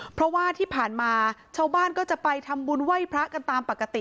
เพราะว่าที่ผ่านมาชาวบ้านก็จะไปทำบุญไหว้พระกันตามปกติ